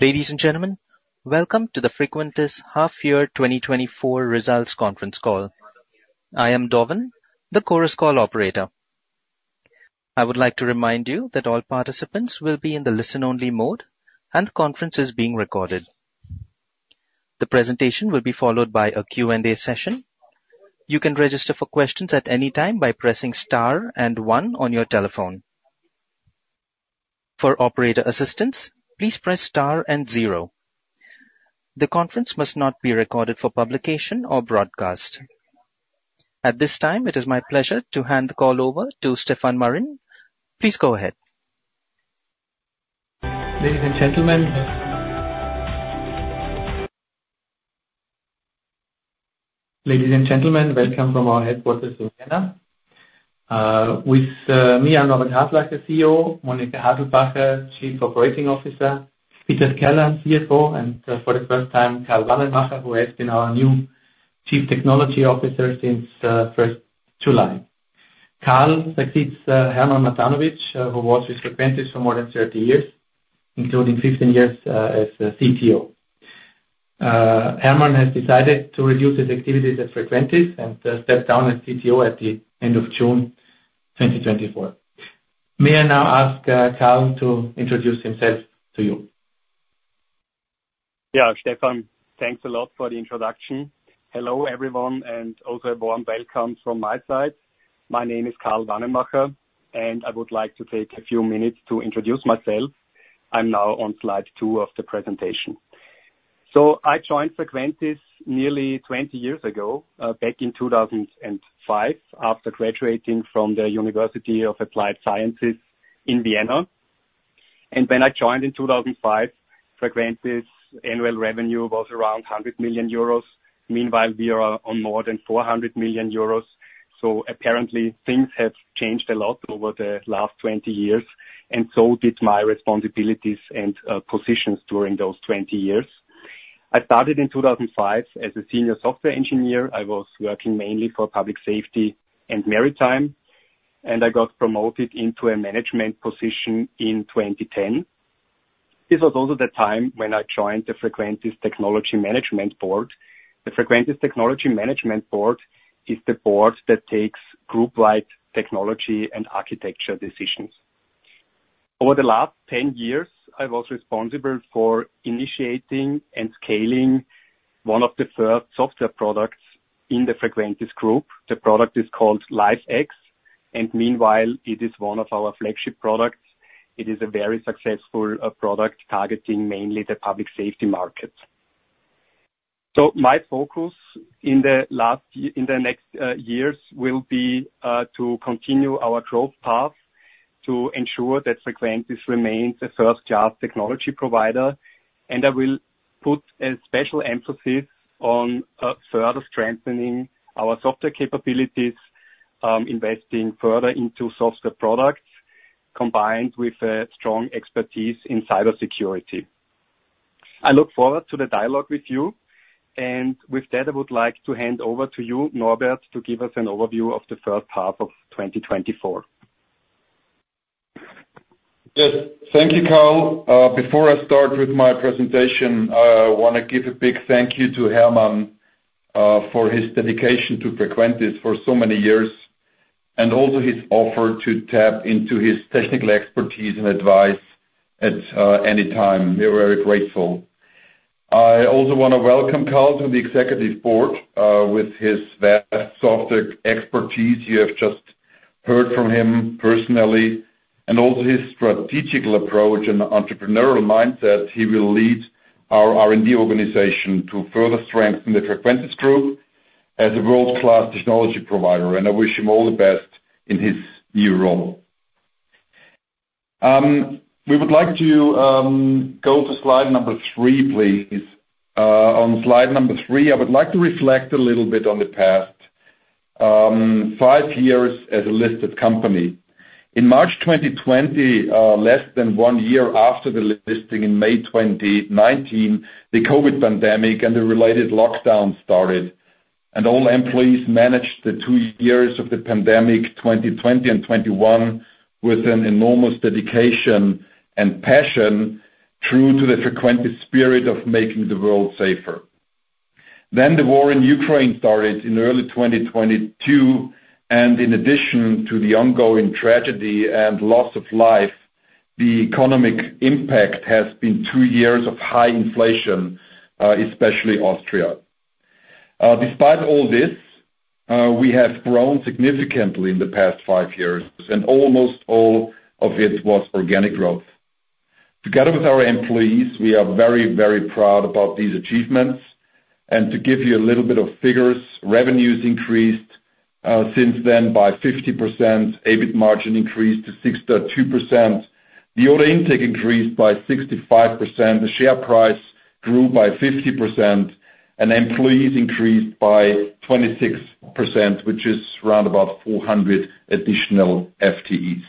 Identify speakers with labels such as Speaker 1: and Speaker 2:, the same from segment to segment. Speaker 1: Ladies and gentlemen, welcome to the Frequentis Half-Year 2024 Results Conference Call. I am Donovan, the Chorus Call operator. I would like to remind you that all participants will be in the listen-only mode, and the conference is being recorded. The presentation will be followed by a Q&A session. You can register for questions at any time by pressing star and one on your telephone. For operator assistance, please press star and zero. The conference must not be recorded for publication or broadcast. At this time, it is my pleasure to hand the call over to Stefan Marin. Please go ahead.
Speaker 2: Ladies and gentlemen. Ladies and gentlemen, welcome from our headquarters to Vienna. With me, I'm Norbert Haslacher, CEO, Monika Haselbacher, Chief Operating Officer, Peter Skerlan, CFO, and, for the first time, Karl Wannemacher, who has been our new Chief Technology Officer since July 1. Karl succeeds Hermann Mattanovich, who was with Frequentis for more than 30 years, including 15 years, as a CTO. Hermann has decided to reduce his activities at Frequentis and step down as CTO at the end of June 2024. May I now ask Karl to introduce himself to you?
Speaker 3: Yeah, Stefan, thanks a lot for the introduction. Hello, everyone, and also a warm welcome from my side. My name is Karl Wannemacher, and I would like to take a few minutes to introduce myself. I'm now on slide 2 of the presentation. I joined Frequentis nearly 20 years ago, back in 2005, after graduating from the University of Applied Sciences in Vienna. When I joined in 2005, Frequentis annual revenue was around 100 million euros. Meanwhile, we are on more than 400 million euros, so apparently things have changed a lot over the last 20 years, and so did my responsibilities and positions during those 20 years. I started in 2005 as a senior software engineer. I was working mainly for public safety and maritime, and I got promoted into a management position in 2010. This was also the time when I joined the Frequentis Technology Management Board. The Frequentis Technology Management Board is the board that takes group-wide technology and architecture decisions. Over the last 10 years, I was responsible for initiating and scaling one of the first software products in the Frequentis Group. The product is called LifeX, and meanwhile it is one of our flagship products. It is a very successful product, targeting mainly the public safety market. So my focus in the next years will be to continue our growth path, to ensure that Frequentis remains a first-class technology provider. I will put a special emphasis on further strengthening our software capabilities, investing further into software products, combined with a strong expertise in cybersecurity. I look forward to the dialogue with you, and with that, I would like to hand over to you, Norbert, to give us an overview of the first half of 2024.
Speaker 4: Yes. Thank you, Karl. Before I start with my presentation, I wanna give a big thank you to Hermann, for his dedication to Frequentis for so many years, and also his offer to tap into his technical expertise and advice at, any time. We are very grateful. I also wanna welcome Karl to the executive board, with his vast software expertise. You have just heard from him personally, and also his strategical approach and entrepreneurial mindset. He will lead our R&D organization to further strengthen the Frequentis group as a world-class technology provider, and I wish him all the best in his new role. We would like to, go to slide number three, please. On slide number three, I would like to reflect a little bit on the past, five years as a listed company. In March 2020, less than one year after the listing in May 2019, the COVID pandemic and the related lockdown started, and all employees managed the two years of the pandemic, 2020 and 2021, with an enormous dedication and passion, true to the Frequentis spirit of making the world safer. Then the war in Ukraine started in early 2022, and in addition to the ongoing tragedy and loss of life, the economic impact has been two years of high inflation, especially Austria. Despite all this, we have grown significantly in the past five years, and almost all of it was organic growth. Together with our employees, we are very, very proud about these achievements. To give you a little bit of figures, revenues increased since then by 50%, EBIT margin increased to 6.2%. The order intake increased by 65%, the share price grew by 50%, and employees increased by 26%, which is around about 400 additional FTEs.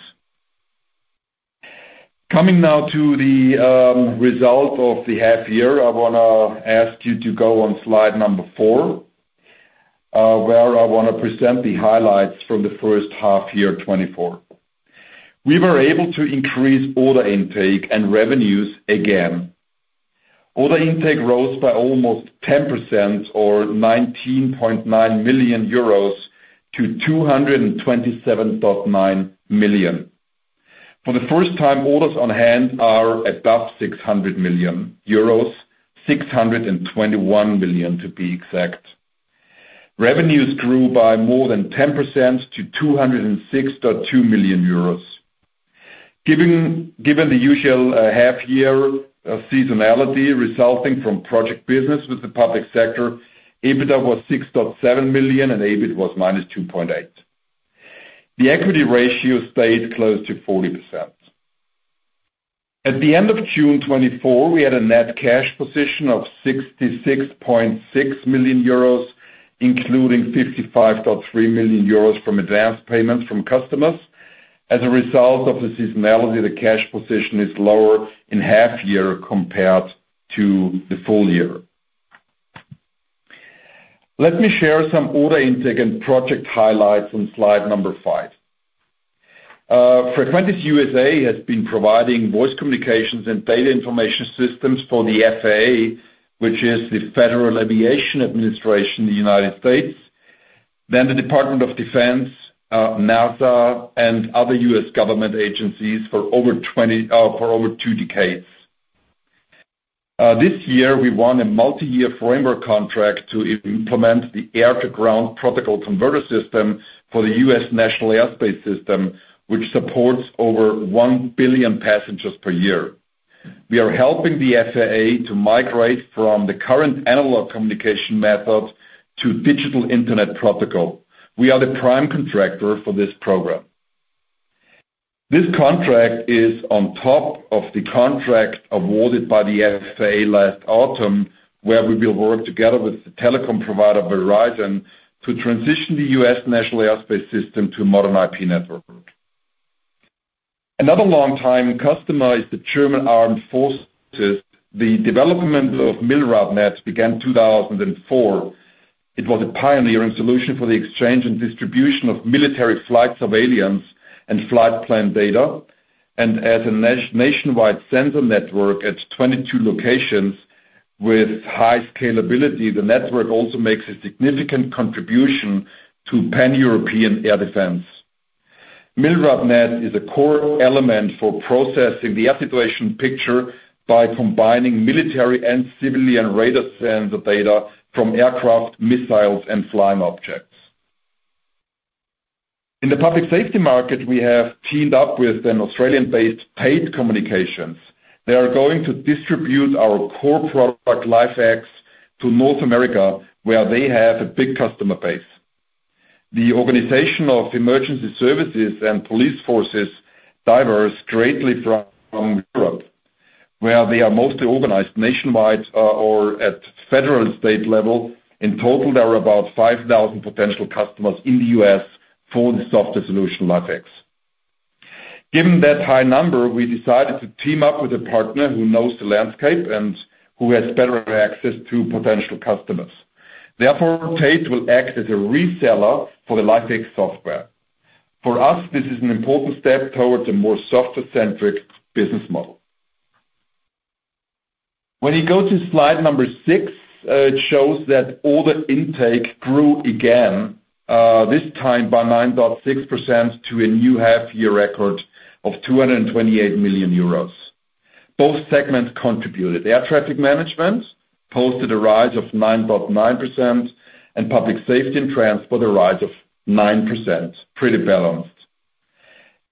Speaker 4: Coming now to the result of the half year, I wanna ask you to go on slide number 4.... where I want to present the highlights from the first half year, 2024. We were able to increase order intake and revenues again. Order intake rose by almost 10%, or 19.9 million euros, to 227.9 million. For the first time, orders on hand are above 600 million euros, 621 million, to be exact. Revenues grew by more than 10% to 206.2 million euros. Given the usual, half-year seasonality resulting from project business with the public sector, EBITDA was 6.7 million, and EBIT was -2.8. The equity ratio stayed close to 40%. At the end of June 2024, we had a net cash position of 66.6 million euros, including 55.3 million euros from advanced payments from customers. As a result of the seasonality, the cash position is lower in half-year compared to the full year. Let me share some order intake and project highlights on slide number 5. Frequentis USA has been providing voice communications and data information systems for the FAA, which is the Federal Aviation Administration in the United States, then the Department of Defense, NASA, and other U.S. government agencies for over 20, for over two decades. This year, we won a multi-year framework contract to implement the Air-to-Ground Protocol Converter system for the U.S. National Airspace System, which supports over 1 billion passengers per year. We are helping the FAA to migrate from the current analog communication methods to digital Internet Protocol. We are the prime contractor for this program. This contract is on top of the contract awarded by the FAA last autumn, where we will work together with the telecom provider, Verizon, to transition the U.S. National Airspace System to a modern IP network. Another long-time customer is the German Armed Forces. The development of MILRADNET began in 2004. It was a pioneering solution for the exchange and distribution of military flight surveillance and flight plan data. As a nationwide sensor network at 22 locations with high scalability, the network also makes a significant contribution to Pan-European air defense. MILRADNET is a core element for processing the air situation picture by combining military and civilian radar sensor data from aircraft, missiles, and flying objects. In the public safety market, we have teamed up with an Australian-based Tait Communications. They are going to distribute our core product, LifeX, to North America, where they have a big customer base. The organization of emergency services and police forces differs greatly from Europe, where they are mostly organized nationwide, or at federal state level. In total, there are about 5,000 potential customers in the U.S. for the software solution, LifeX. Given that high number, we decided to team up with a partner who knows the landscape and who has better access to potential customers. Therefore, Tait will act as a reseller for the LifeX software. For us, this is an important step towards a more software-centric business model. When you go to slide number six, it shows that order intake grew again, this time by 9.6% to a new half-year record of 228 million euros. Both segments contributed. Air Traffic Management posted a rise of 9.9%, and Public Safety and Transport, a rise of 9%, pretty balanced.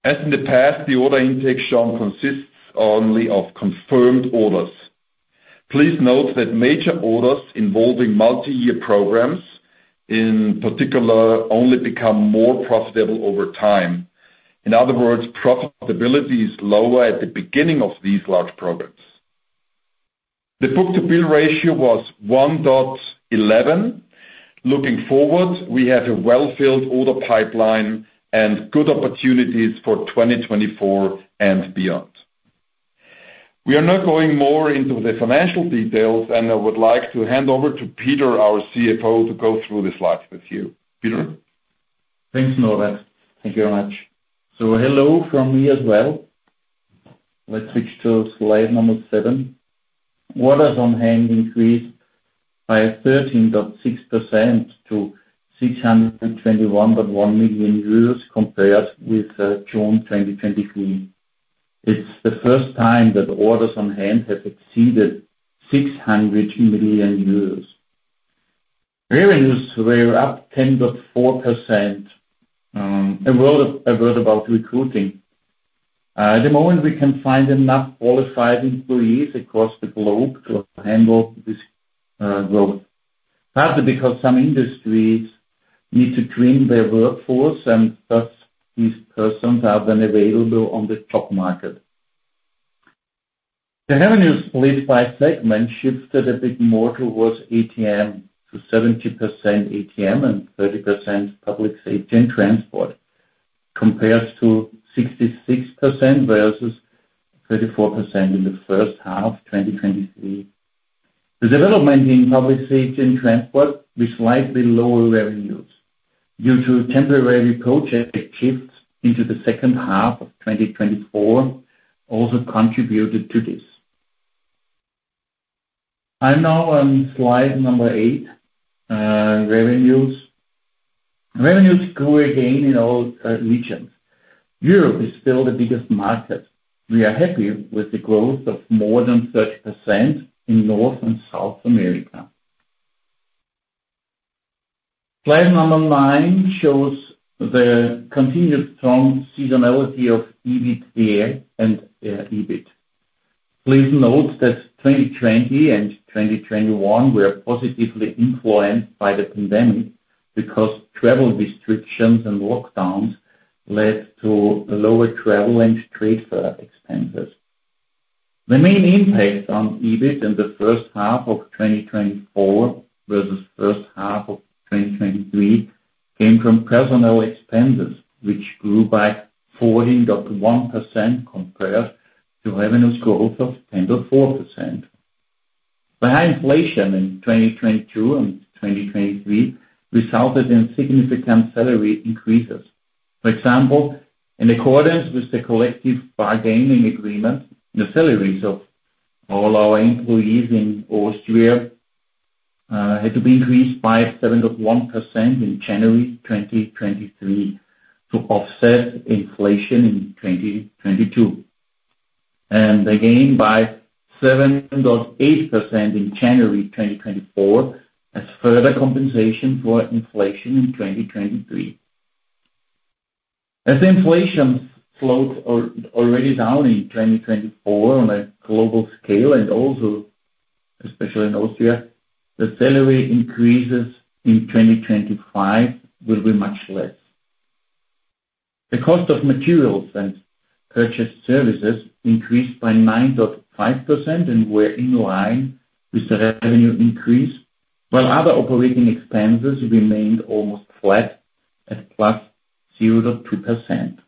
Speaker 4: As in the past, the order intake shown consists only of confirmed orders. Please note that major orders involving multi-year programs, in particular, only become more profitable over time. In other words, profitability is lower at the beginning of these large programs. The book-to-bill ratio was 1.11. Looking forward, we have a well-filled order pipeline and good opportunities for 2024 and beyond. We are now going more into the financial details, and I would like to hand over to Peter, our CFO, to go through the slides with you. Peter?
Speaker 5: Thanks, Norbert. Thank you very much. So hello from me as well. Let's switch to slide 7. Orders on hand increased by 13.6% to EUR 621.1 million compared with June 2023. It's the first time that orders on hand have exceeded 600 million euros. Revenues were up 10.4%. A word about recruiting. At the moment, we can find enough qualified employees across the globe to handle this growth. Partly because some industries need to train their workforce, and thus, these persons are then available on the top market. The revenues split by segment shifted a bit more towards ATM, to 70% ATM and 30% public safety and transport, compares to 66% versus 34% in the first half, 2023. The development in public safety and transport with slightly lower revenues due to temporary project shifts into the second half of 2024, also contributed to this. I'm now on slide 8, revenues. Revenues grew again in all regions. Europe is still the biggest market. We are happy with the growth of more than 30% in North and South America. Slide 9 shows the continued strong seasonality of EBITDA and EBIT. Please note that 2020 and 2021 were positively influenced by the pandemic, because travel restrictions and lockdowns led to lower travel and trade expenses. The main impact on EBIT in the first half of 2024 versus first half of 2023 came from personnel expenses, which grew by 14.1% compared to revenues growth of 10.4%. The high inflation in 2022 and 2023 resulted in significant salary increases. For example, in accordance with the collective bargaining agreement, the salaries of all our employees in Austria had to be increased by 7.1% in January 2023 to offset inflation in 2022, and again, by 7.8% in January 2024, as further compensation for inflation in 2023. As inflation slows already down in 2024 on a global scale, and also especially in Austria, the salary increases in 2025 will be much less. The cost of materials and purchased services increased by 9.5% and were in line with the revenue increase, while other operating expenses remained almost flat at +0.2%.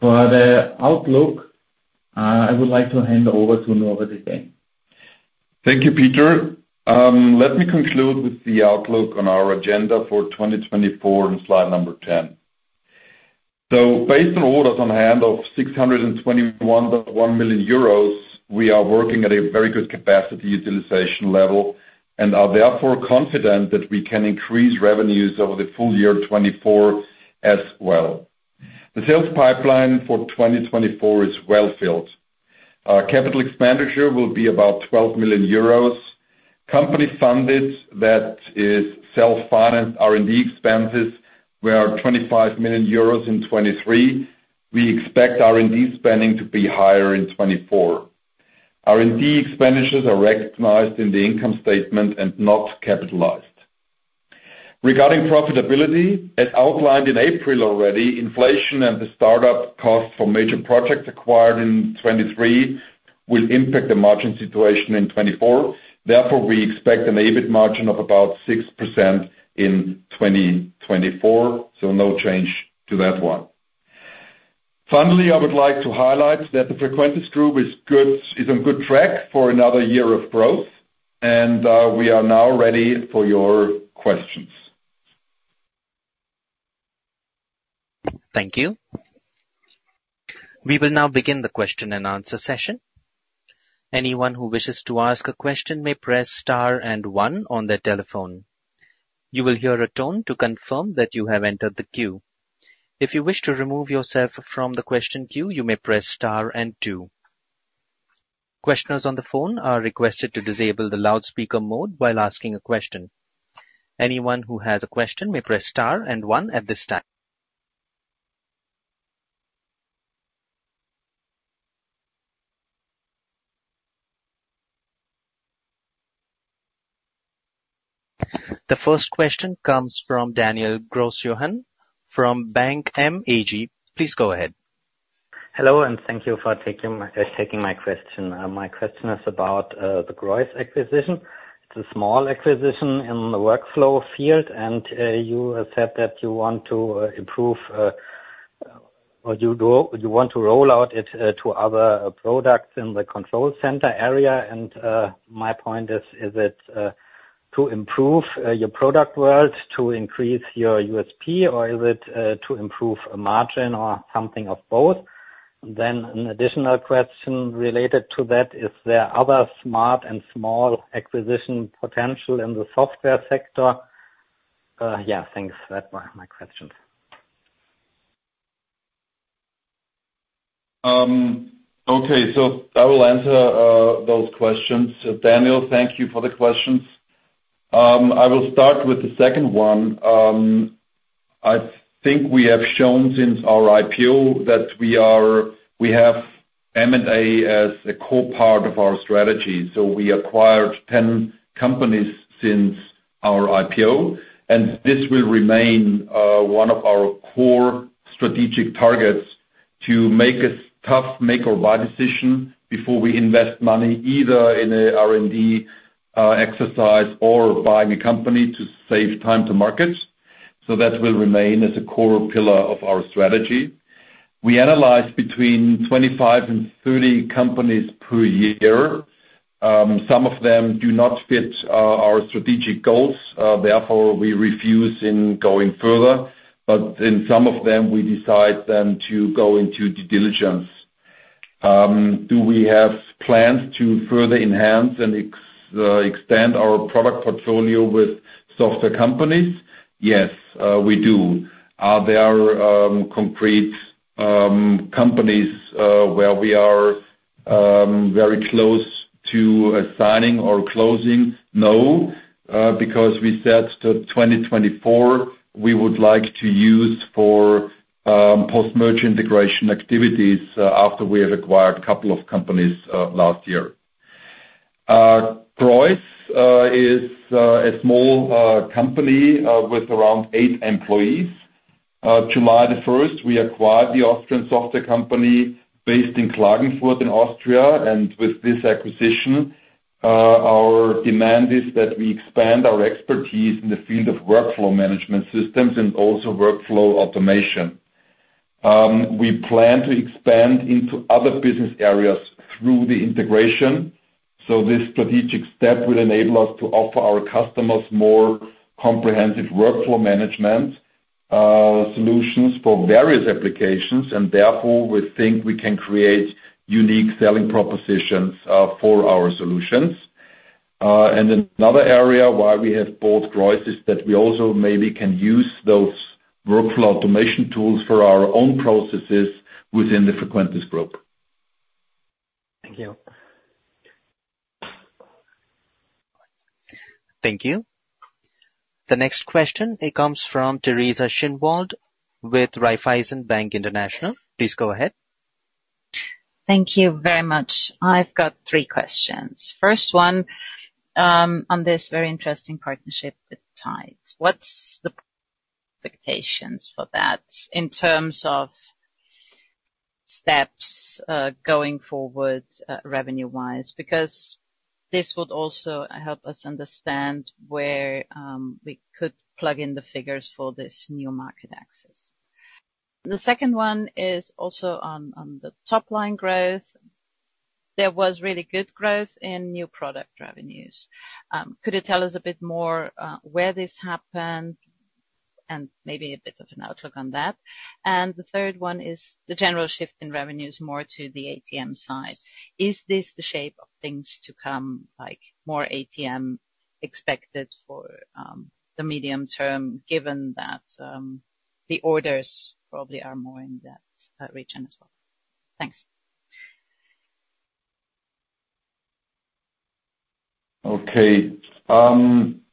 Speaker 5: For the outlook, I would like to hand over to Norbert Haslacher.
Speaker 4: Thank you, Peter. Let me conclude with the outlook on our agenda for 2024 in slide number 10. Based on orders on hand of 621.1 million euros, we are working at a very good capacity utilization level, and are therefore confident that we can increase revenues over the full year 2024 as well. The sales pipeline for 2024 is well filled. Our capital expenditure will be about 12 million euros. Company funded, that is, self-financed R&D expenses, were 25 million euros in 2023. We expect R&D spending to be higher in 2024. R&D expenditures are recognized in the income statement and not capitalized. Regarding profitability, as outlined in April already, inflation and the startup costs for major projects acquired in 2023 will impact the margin situation in 2024. Therefore, we expect an EBIT margin of about 6% in 2024, so no change to that one. Finally, I would like to highlight that the Frequentis group is on good track for another year of growth, and we are now ready for your questions.
Speaker 1: Thank you. We will now begin the question and answer session. Anyone who wishes to ask a question may press star and one on their telephone. You will hear a tone to confirm that you have entered the queue. If you wish to remove yourself from the question queue, you may press star and two. Questioners on the phone are requested to disable the loudspeaker mode while asking a question. Anyone who has a question may press star and one at this time. The first question comes from Daniel Großjohann, from BankM AG. Please go ahead.
Speaker 6: Hello, and thank you for taking my question. My question is about the Gasser acquisition. It's a small acquisition in the workflow field, and you said that you want to improve or you go- you want to roll out it to other products in the control center area. And my point is, is it to improve your product world, to increase your USP, or is it to improve a margin or something of both? Then an additional question related to that, is there are other smart and small acquisition potential in the software sector? Yeah, thanks. That were my questions.
Speaker 4: Okay, so I will answer those questions. Daniel, thank you for the questions. I will start with the second one. I think we have shown since our IPO that we are, we have M&A as a core part of our strategy, so we acquired 10 companies since our IPO, and this will remain one of our core strategic targets... to make a tough make or buy decision before we invest money, either in a R&D exercise or buying a company to save time to market. So that will remain as a core pillar of our strategy. We analyze between 25 and 30 companies per year. Some of them do not fit our strategic goals, therefore, we refuse in going further, but in some of them, we decide then to go into due diligence. Do we have plans to further enhance and expand our product portfolio with software companies? Yes, we do. Are there concrete companies where we are very close to assigning or closing? No, because we said to 2024, we would like to use for post-merger integration activities after we have acquired a couple of companies last year. Gasser & Partner is a small company with around eight employees. July the first, we acquired the Austrian software company based in Klagenfurt, in Austria, and with this acquisition, our demand is that we expand our expertise in the field of workflow management systems and also workflow automation. We plan to expand into other business areas through the integration, so this strategic step will enable us to offer our customers more comprehensive workflow management solutions for various applications, and therefore, we think we can create unique selling propositions for our solutions. And another area why we have bought growth, is that we also maybe can use those workflow automation tools for our own processes within the Frequentis group.
Speaker 6: Thank you.
Speaker 1: Thank you. The next question, it comes from Teresa Schinwald with Raiffeisen Bank International. Please go ahead.
Speaker 7: Thank you very much. I've got three questions. First one, on this very interesting partnership with Tait. What's the expectations for that in terms of steps, going forward, revenue-wise? Because this would also help us understand where, we could plug in the figures for this new market access. The second one is also on the top line growth. There was really good growth in new product revenues. Could you tell us a bit more, where this happened, and maybe a bit of an outlook on that? And the third one is the general shift in revenues, more to the ATM side. Is this the shape of things to come, like more ATM expected for, the medium term, given that, the orders probably are more in that, region as well? Thanks.
Speaker 4: Okay.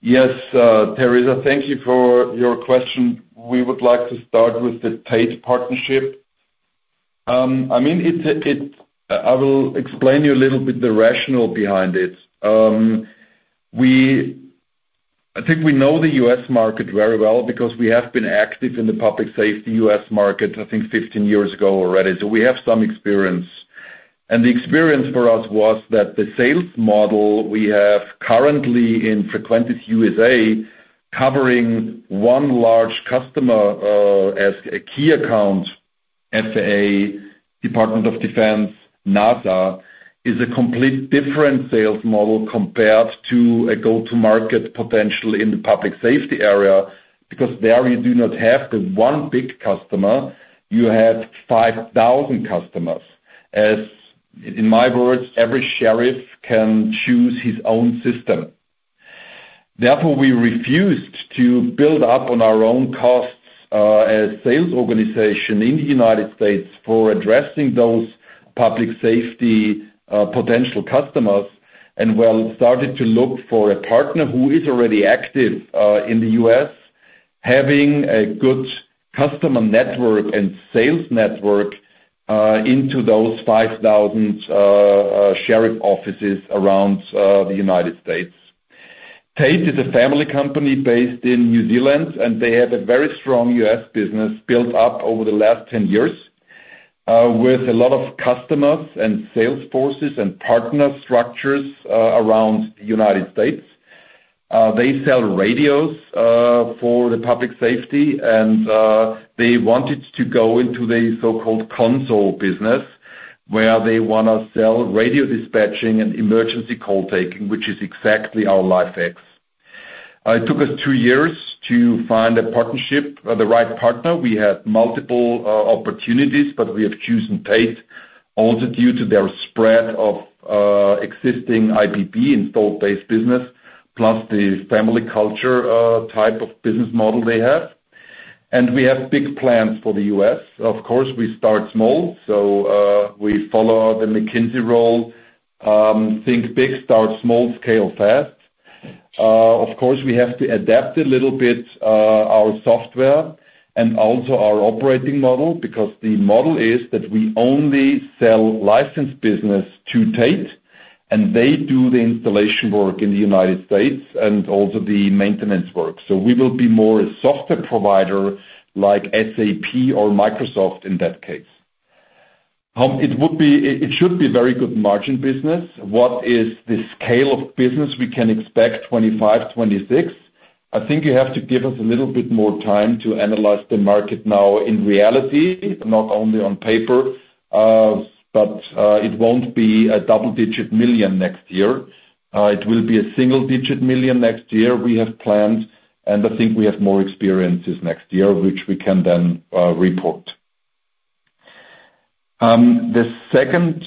Speaker 4: Yes, Teresa, thank you for your question. We would like to start with the Tait partnership. I mean, I will explain you a little bit the rationale behind it. I think we know the U.S. market very well because we have been active in the public safety U.S. market, I think 15 years ago already, so we have some experience. The experience for us was that the sales model we have currently in Frequentis U.S.A, covering one large customer, as a key account, FAA, Department of Defense, NASA, is a complete different sales model compared to a go-to market potentially in the public safety area. Because there, you do not have the one big customer, you have 5,000 customers. As in my words, every sheriff can choose his own system. Therefore, we refused to build up on our own costs as sales organization in the United States for addressing those public safety potential customers, and well, started to look for a partner who is already active in the U.S., having a good customer network and sales network into those 5,000 sheriff offices around the United States. Tait is a family company based in New Zealand, and they have a very strong U.S. business built up over the last 10 years with a lot of customers and sales forces and partner structures around the United States. They sell radios for the public safety, and they wanted to go into the so-called console business, where they wanna sell radio dispatching and emergency call taking, which is exactly our LifeX. It took us two years to find a partnership, the right partner. We had multiple opportunities, but we have chosen Tait, also due to their spread of existing IBP, installed base business, plus the family culture, type of business model they have. We have big plans for the U.S. Of course, we start small, so we follow the McKinsey rule: think big, start small, scale fast. Of course, we have to adapt a little bit, our software and also our operating model, because the model is that we only sell licensed business to Tait, and they do the installation work in the United States and also the maintenance work. So we will be more a software provider like SAP or Microsoft in that case. It would be, it should be very good margin business. What is the scale of business we can expect 2025, 2026? I think you have to give us a little bit more time to analyze the market now in reality, not only on paper. But, it won't be a double-digit million EUR next year. It will be a single-digit million EUR next year. We have planned, and I think we have more experiences next year, which we can then report. The second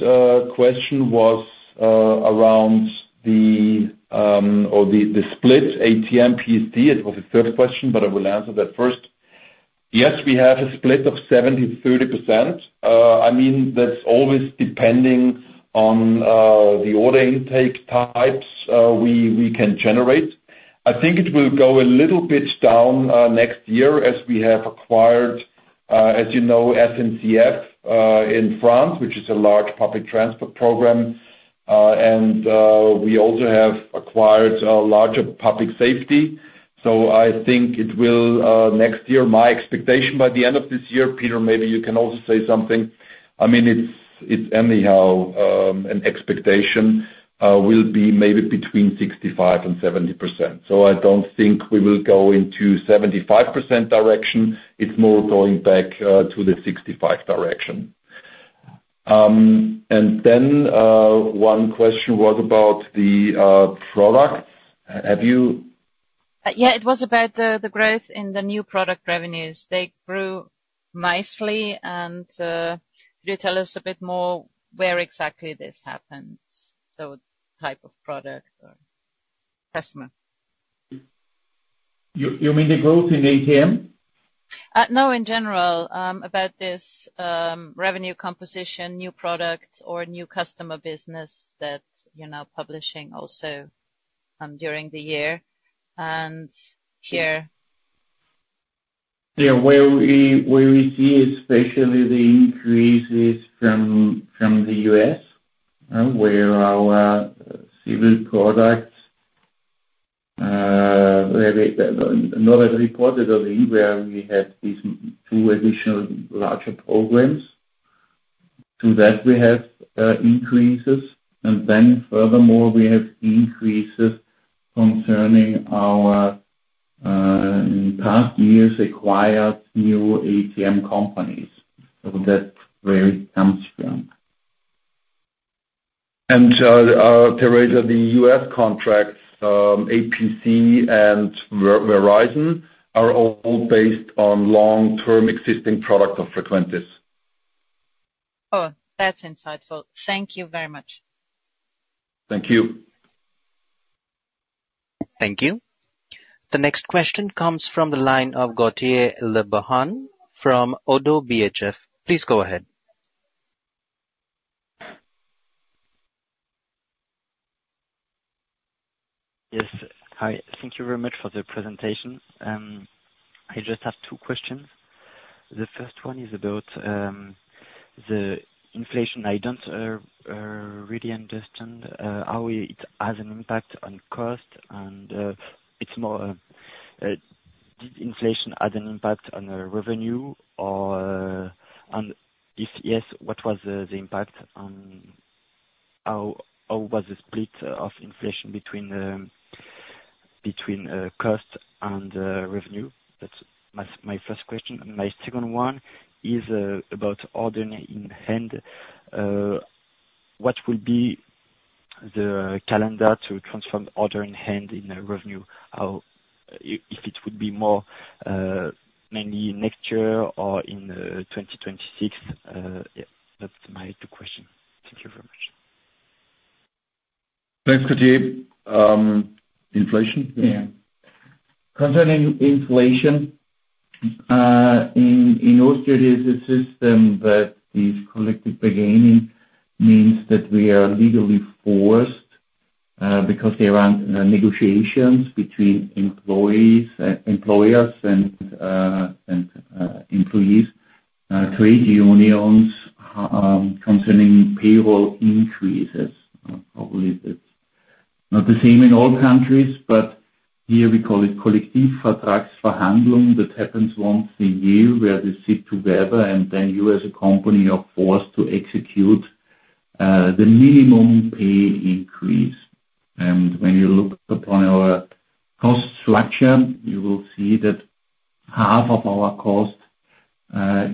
Speaker 4: question was around the split ATM PST. It was the third question, but I will answer that first. Yes, we have a split of 70%-30%. I mean, that's always depending on the order intake types we can generate. I think it will go a little bit down, next year, as we have acquired, as you know, SNCF, in France, which is a large public transport program. And, we also have acquired a larger public safety. So I think it will, next year, my expectation by the end of this year, Peter, maybe you can also say something. I mean, it's anyhow, an expectation, will be maybe between 65% and 70%. So I don't think we will go into 75% direction. It's more going back, to the 65% direction. And then, one question was about the, product. Have you?
Speaker 7: Yeah, it was about the growth in the new product revenues. They grew nicely, and could you tell us a bit more where exactly this happens? So type of product or customer.
Speaker 5: You mean the growth in ATM?
Speaker 7: No, in general, about this revenue composition, new products, or new customer business that you're now publishing also during the year and here.
Speaker 5: Yeah, where we, where we see especially the increases from, from the U.S., where our, civil products, where they, not as reported already, where we had these two additional larger programs. To that we have, increases, and then furthermore, we have increases concerning our, in past years, acquired new ATM companies. So that's where it comes from.
Speaker 4: Teresa, the U.S. contracts, APC and Verizon, are all based on long-term existing product of Frequentis.
Speaker 7: Oh, that's insightful. Thank you very much.
Speaker 4: Thank you.
Speaker 1: Thank you. The next question comes from the line of Gautier Le Bihan from ODDO BHF. Please go ahead.
Speaker 8: Yes. Hi, thank you very much for the presentation. I just have two questions. The first one is about the inflation. I don't really understand how it has an impact on cost, and it's more did inflation have an impact on the revenue, or, and if yes, what was the impact on... How was the split of inflation between cost and revenue? That's my first question. My second one is about orders on hand. What will be the calendar to transform orders on hand into the revenue? How if it would be more mainly next year or in 2026? Yeah, that's my two question. Thank you very much.
Speaker 4: Thanks, Gautier. Inflation?
Speaker 8: Yeah.
Speaker 4: Concerning inflation, in Austria, there's a system that is collective bargaining, means that we are legally forced because there aren't negotiations between employers and employees, trade unions concerning payroll increases. Probably that's not the same in all countries, but here we call it collective bargaining agreement. That happens once a year, where they sit together, and then you, as a company, are forced to execute the minimum pay increase. When you look upon our cost structure, you will see that half of our cost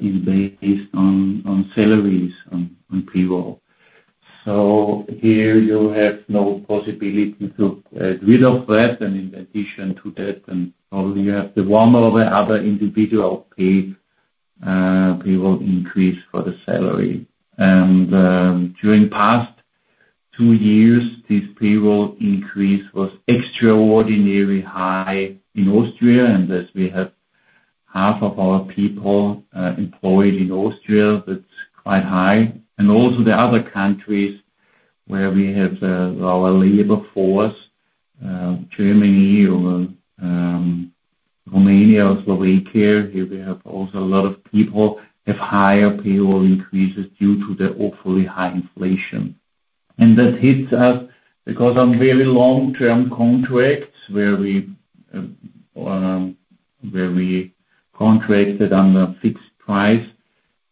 Speaker 4: is based on salaries, on payroll. So here you have no possibility to get rid of that, and in addition to that, probably you have the one or the other individual payroll increase for the salary. During past two years, this payroll increase was extraordinarily high in Austria, and as we have half of our people employed in Austria, that's quite high. Also the other countries where we have our labor force, Germany or Romania, Slovakia, here we have also a lot of people, have higher payroll increases due to the awfully high inflation. That hits us because on very long-term contracts where we contracted on a fixed price,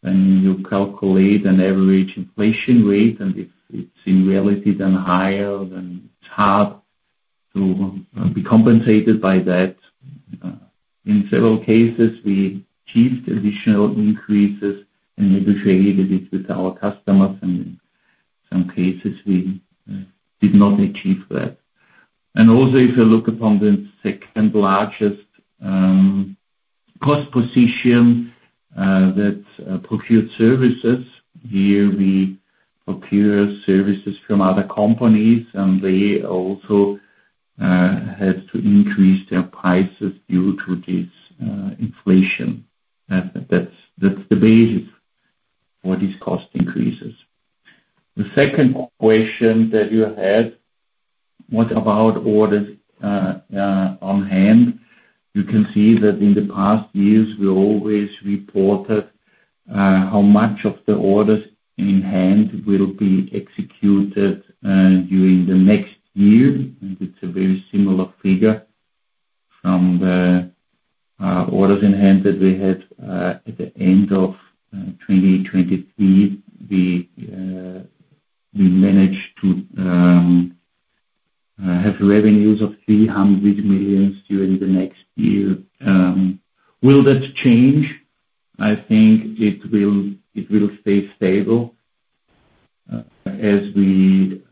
Speaker 4: and you calculate an average inflation rate, and if it's in reality then higher, then it's hard to be compensated by that. In several cases, we achieved additional increases and negotiated it with our customers, and in some cases, we did not achieve that. And also, if you look upon the second largest cost position, that procured services, here we procure services from other companies, and they also had to increase their prices due to this inflation. That's the basis for these cost increases. The second question that you had was about orders on hand. You can see that in the past years, we always reported how much of the orders on hand will be executed during the next year. And it's a very similar figure from the orders on hand that we had at the end of 2023. We managed to have revenues of 300 million during the next year. Will that change? I think it will, it will stay stable, as we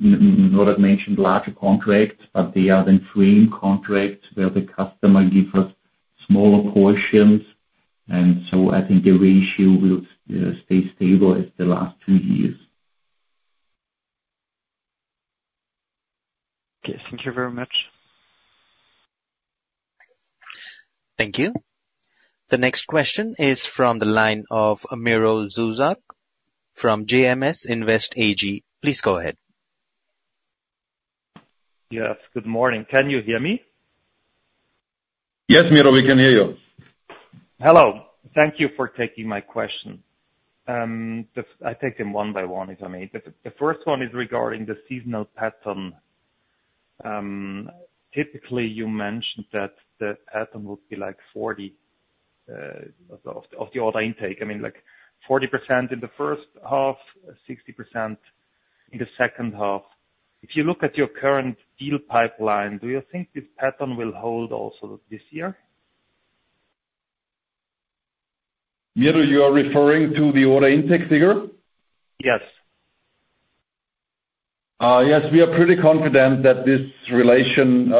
Speaker 4: not have mentioned larger contracts, but they are then frame contracts where the customer give us smaller portions, and so I think the ratio will stay stable as the last two years.
Speaker 8: Okay, thank you very much.
Speaker 1: Thank you. The next question is from the line of Miro Zuzak from JMS Invest AG. Please go ahead.
Speaker 9: Yes, good morning. Can you hear me?
Speaker 4: Yes, Miro, we can hear you.
Speaker 9: Hello. Thank you for taking my question. Just I take them one by one, if I may. The first one is regarding the seasonal pattern. Typically, you mentioned that the pattern would be like 40% of the order intake. I mean, like 40% in the first half, 60% in the second half. If you look at your current deal pipeline, do you think this pattern will hold also this year?
Speaker 4: Miro, you are referring to the order intake figure?
Speaker 9: Yes.
Speaker 4: Yes, we are pretty confident that this relation,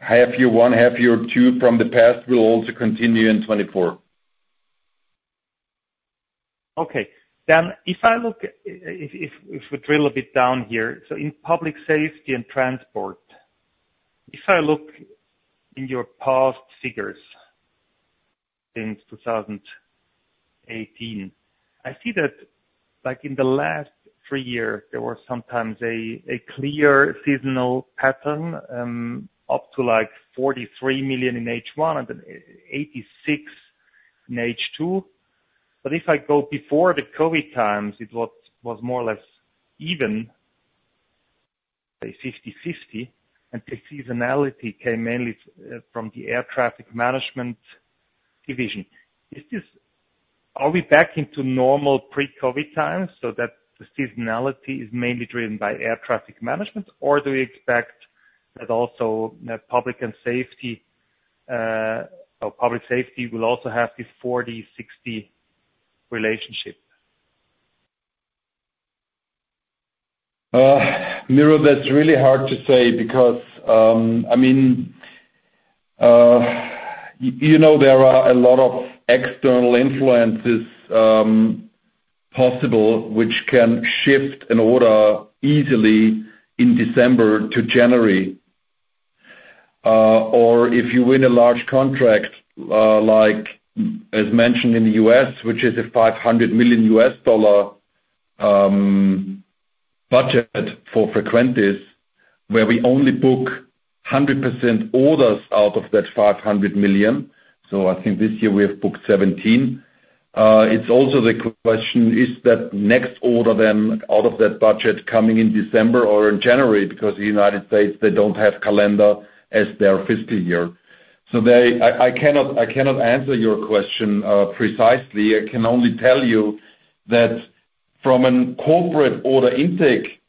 Speaker 4: half year 1, half year 2 from the past, will also continue in 2024.
Speaker 9: Okay. Then, if I look, if we drill a bit down here, so in public safety and transport, if I look in your past figures since 2018, I see that, like in the last three years, there was sometimes a clear seasonal pattern, up to like 43 million in H1 and then 86 million in H2. But if I go before the COVID times, it was more or less even, say, 50/50, and the seasonality came mainly from the air traffic management division. Is this? Are we back into normal pre-COVID times so that the seasonality is mainly driven by air traffic management, or do you expect that also, public safety will also have the 40/60 relationship?
Speaker 4: Miro, that's really hard to say because, I mean, you know, there are a lot of external influences, possible, which can shift an order easily in December to January. Or if you win a large contract, like as mentioned in the U.S., which is a $500 million budget for Frequentis, where we only book 100% orders out of that $500 million. So I think this year we have booked 17. It's also the question: Is that next order then, out of that budget coming in December or in January? Because the United States, they don't have calendar as their fiscal year. So they... I cannot answer your question, precisely. I can only tell you that from a corporate order intake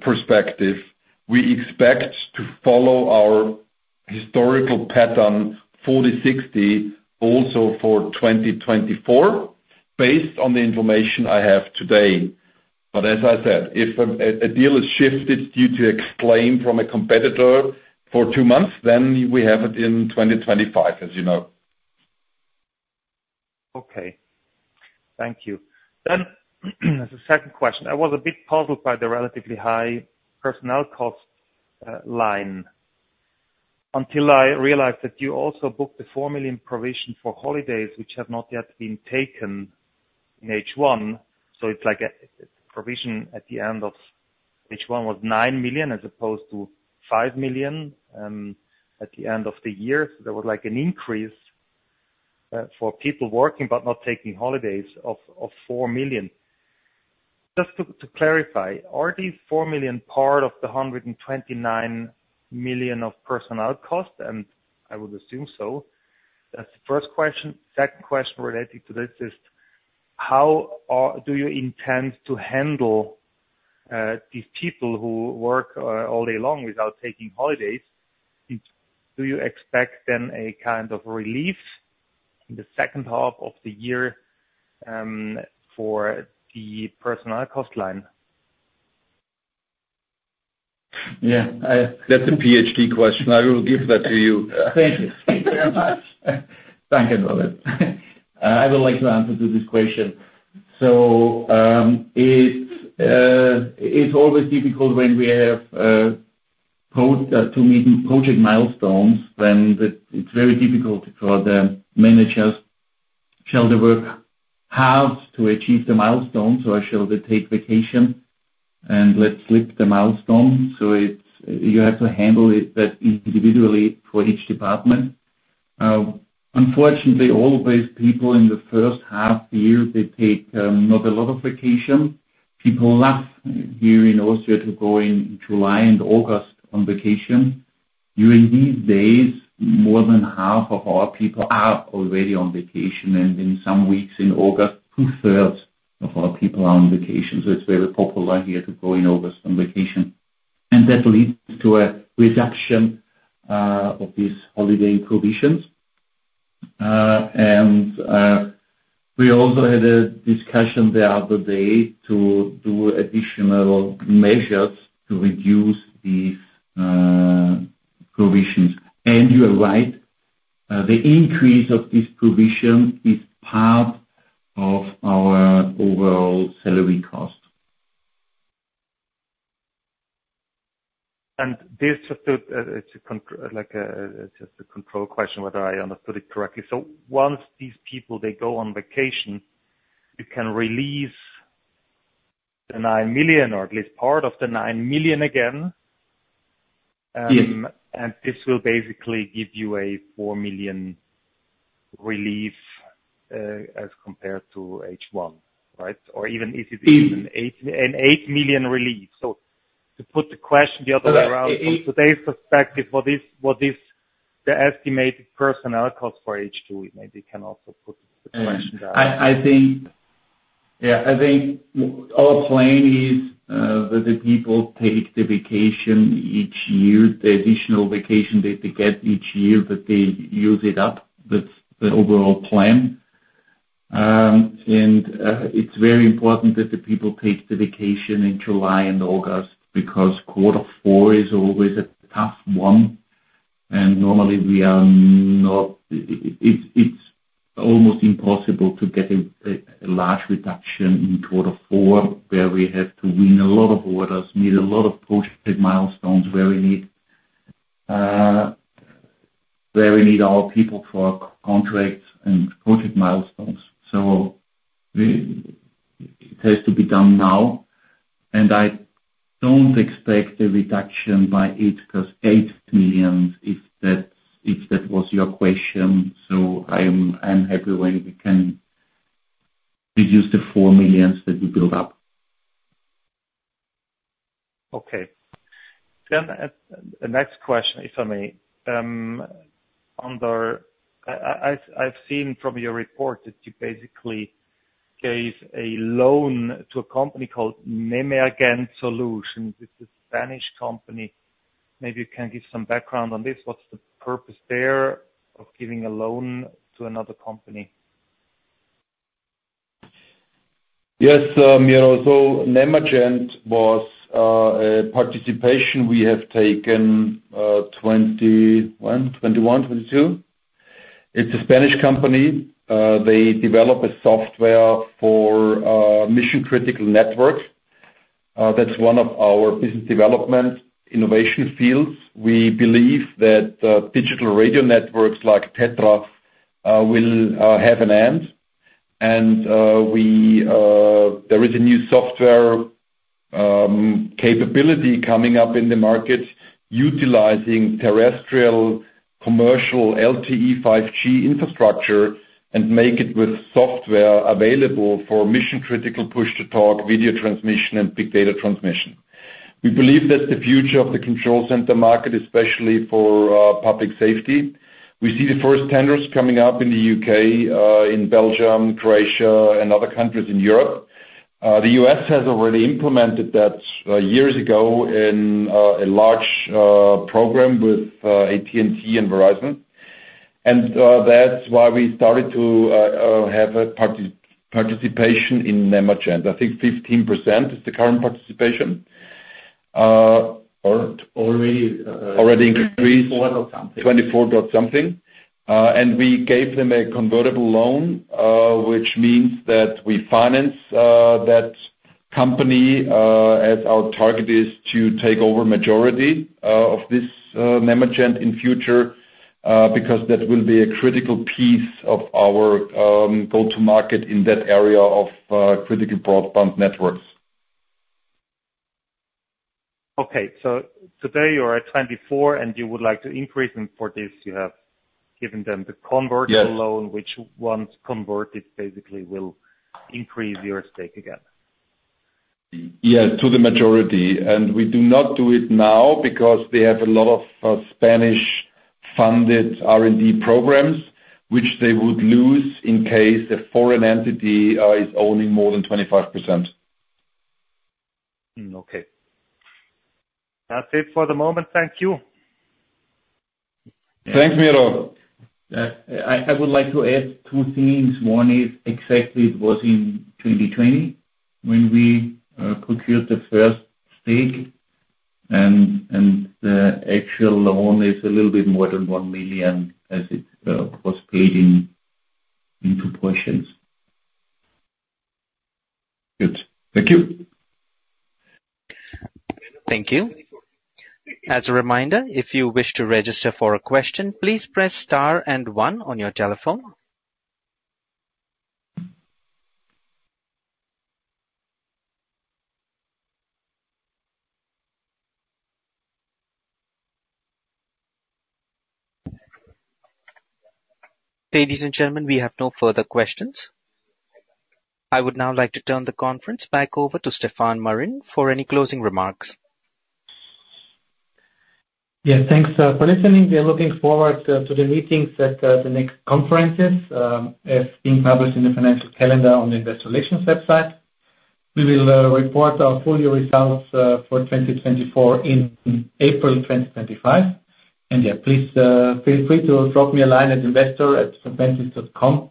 Speaker 4: perspective, we expect to follow our historical pattern 40/60 also for 2024, based on the information I have today. But as I said, if a deal is shifted due to explanation from a competitor for 2 months, then we have it in 2025, as you know.
Speaker 9: Okay. Thank you. Then, as a second question, I was a bit puzzled by the relatively high personnel cost line, until I realized that you also booked a 4 million provision for holidays which have not yet been taken in H1. So it's like a provision at the end of H1 was 9 million, as opposed to 5 million at the end of the year. So there was, like, an increase for people working, but not taking holidays of 4 million. Just to clarify, are these 4 million part of the 129 million of personnel costs? And I would assume so. That's the first question. Second question related to this is: How do you intend to handle these people who work all day long without taking holidays? Do you expect then a kind of relief in the second half of the year, for the personnel cost line?
Speaker 4: Yeah, I- That's a PhD question. I will give that to you.
Speaker 5: Thank you very much. Thank you, Robert. I would like to answer to this question. So, it's always difficult when we have, post, to meeting project milestones. It's very difficult for the managers. Shall they work hard to achieve the milestones, or shall they take vacation, and let's slip the milestones? So it's, you have to handle it, that individually for each department. Unfortunately, all these people in the first half of the year, they take not a lot of vacation. People love here in Austria to go in July and August on vacation. During these days, more than half of our people are already on vacation, and in some weeks in August, two-thirds of our people are on vacation. So it's very popular here to go in August on vacation. And that leads to a reduction of these holiday provisions. And we also had a discussion the other day to do additional measures to reduce these provisions. And you are right, the increase of this provision is part of our overall salary cost.
Speaker 9: And this just to, it's a, like, just a control question, whether I understood it correctly. So once these people, they go on vacation, you can release the 9 million, or at least part of the 9 million again.
Speaker 5: Yes.
Speaker 9: This will basically give you a 4 million relief, as compared to H1, right? Or even if it is-
Speaker 5: Mm.
Speaker 9: an 8 million relief. So to put the question the other way around, from today's perspective, what is, what is the estimated personnel cost for H2? Maybe you can also put the question that way.
Speaker 5: Yeah, I think our plan is that the people take the vacation each year, the additional vacation that they get each year, that they use it up. That's the overall plan. And it's very important that the people take the vacation in July and August, because Quarter Four is always a tough one, and normally, we are not... It's almost impossible to get a large reduction in Quarter Four, where we have to win a lot of orders, meet a lot of project milestones, where we need our people for contracts and project milestones. So it has to be done now, and I don't expect a reduction by eight, because 8 million, if that was your question, so I'm happy when we can reduce the 4 million that we build up.
Speaker 9: Okay. Then, the next question, if I may. I've seen from your report that you basically gave a loan to a company called Nemergent Solutions. It's a Spanish company. Maybe you can give some background on this. What's the purpose there of giving a loan to another company?
Speaker 4: Yes, you know, so Nemergent was a participation we have taken, 2021? 2021, 2022. It's a Spanish company. They develop a software for mission-critical networks. That's one of our business development innovation fields. We believe that digital radio networks like TETRA will have an end. And we... There is a new software capability coming up in the market, utilizing terrestrial commercial LTE 5G infrastructure, and make it with software available for mission-critical push-to-talk, video transmission, and big data transmission. We believe that's the future of the control center market, especially for public safety. We see the first tenders coming up in the UK, in Belgium, Croatia, and other countries in Europe. The U.S. has already implemented that years ago in a large program with AT&T and Verizon. And, that's why we started to have a participation in Nemergent. I think 15% is the current participation, or-
Speaker 5: Already, uh-
Speaker 4: Already increased.
Speaker 5: 24. something.
Speaker 4: 24.something. And we gave them a convertible loan, which means that we finance that company, as our target is to take over majority of this Nemergent in future, because that will be a critical piece of our go-to-market in that area of critical broadband networks. ...
Speaker 9: Okay, so today you are at 24, and you would like to increase, and for this, you have given them the convertible loan-
Speaker 4: Yes.
Speaker 9: Which once converted, basically will increase your stake again?
Speaker 4: Yeah, to the majority. We do not do it now because they have a lot of Spanish-funded R&D programs, which they would lose in case a foreign entity is owning more than 25%.
Speaker 9: Okay. That's it for the moment. Thank you.
Speaker 4: Thanks, Miro. I would like to add two things. One is exactly it was in 2020 when we procured the first stake, and the actual loan is a little bit more than 1 million, as it was paid in two portions.
Speaker 9: Good. Thank you.
Speaker 1: Thank you. As a reminder, if you wish to register for a question, please press star and one on your telephone. Ladies and gentlemen, we have no further questions. I would now like to turn the conference back over to Stefan Marin for any closing remarks.
Speaker 2: Yeah, thanks, for listening. We are looking forward, to the meetings at, the next conferences, as being published in the financial calendar on the investor relations website. We will, report our full year results, for 2024 in April 2025. And, yeah, please, feel free to drop me a line at investor@frequentis.com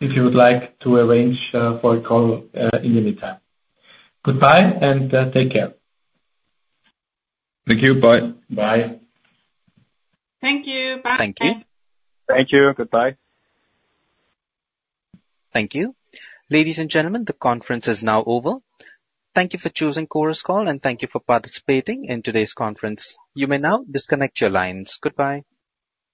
Speaker 2: if you would like to arrange, for a call, in the meantime. Goodbye, and, take care.
Speaker 4: Thank you. Bye.
Speaker 5: Bye.
Speaker 10: Thank you. Bye.
Speaker 1: Thank you.
Speaker 2: Thank you. Goodbye.
Speaker 1: Thank you. Ladies and gentlemen, the conference is now over. Thank you for choosing Chorus Call, and thank you for participating in today's conference. You may now disconnect your lines. Goodbye.